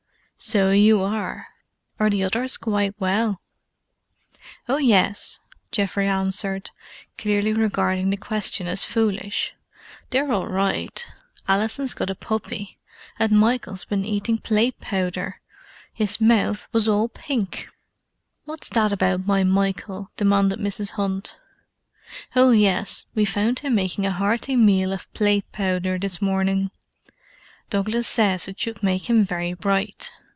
"So you are. Are the others quite well?" "Oh yes," Geoffrey answered, clearly regarding the question as foolish. "They're all right. Alison's got a puppy, and Michael's been eating plate powder. His mouf was all pink." "What's that about my Michael," demanded Mrs. Hunt. "Oh yes—we found him making a hearty meal of plate powder this morning. Douglas says it should make him very bright.